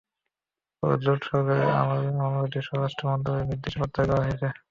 পরে জোট সরকারের আমলে মামলাটি স্বরাষ্ট্র মন্ত্রণালয়ের নির্দেশে প্রত্যাহার করা হয়।